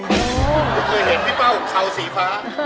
ผมเคยเห็นพี่เป้าเขาสีฟ้า